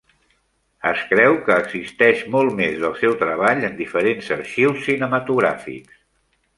Es creu que existeix molt més del seu treball en diferents arxius cinematogràfics.